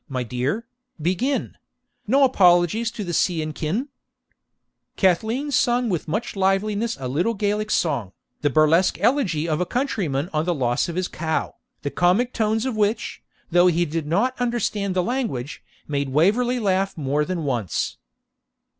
my dear), begin; no apologies to the cean kinne.' Cathleen sung with much liveliness a little Gaelic song, the burlesque elegy of a countryman on the loss of his cow, the comic tones of which, though he did not understand the language, made Waverley laugh more than once.